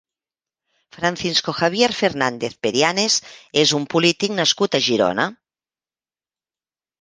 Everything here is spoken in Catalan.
Francisco Javier Fernández Perianes és un polític nascut a Girona.